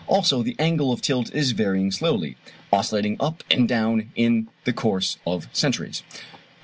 Also the angle of tilt is varying slowly, oscillating up and down in the course of centuries.